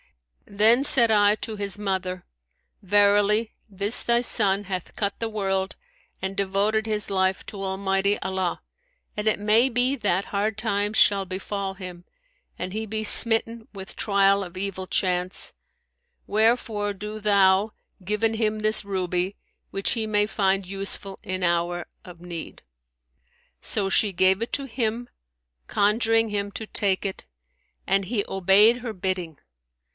[FN#168] Then said I to his mother, Verily this thy son hath cut the world and devoted his life to Almighty Allah, and it may be that hard times shall befal him and he be smitten with trial of evil chance; wherefore do thou given him this ruby, which he may find useful in hour of need.' So she gave it him, conjuring him to take it, and he obeyed her bidding.